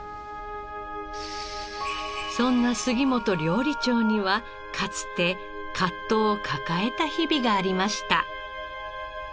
そんな杉本料理長にはかつて葛藤を抱えた日々がありました。